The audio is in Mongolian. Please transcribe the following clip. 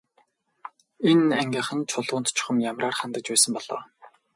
Энэ ангийнхан Чулуунд чухам ямраар хандаж байсан бол оо.